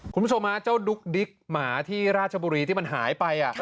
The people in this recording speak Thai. คุณผู้ชมฮะเจ้าดุ๊กดิ๊กหมาที่ราชบุรีที่มันหายไป